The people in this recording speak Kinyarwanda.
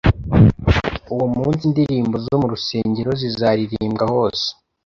uwo munsi indirimbo zo mu rusengero zizaririmbwa hose